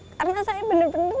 karena saya benar benar